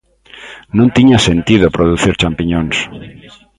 Non tiña sentido producir champiñóns.